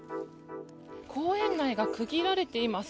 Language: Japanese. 公園内が区切られています。